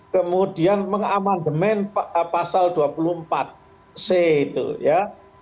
kemudian mengamandemen pasal dua puluh empat c itu ya